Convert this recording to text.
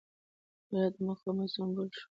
هرات د مقاومت سمبول شو.